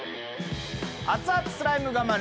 熱々スライム我慢。